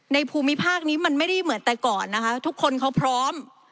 ภูมิภาคนี้มันไม่ได้เหมือนแต่ก่อนนะคะทุกคนเขาพร้อม